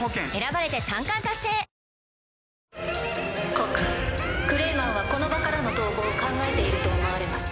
告クレイマンはこの場からの逃亡を考えていると思われます。